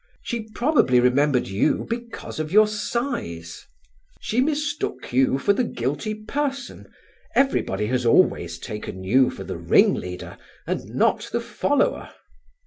She probably remembered you because of your size: she mistook you for the guilty person; everybody has always taken you for the ringleader and not the follower."